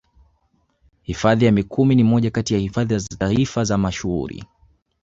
Hifadhi ya Mikumi ni moja kati ya hifadhi za Taifa na mashuhuri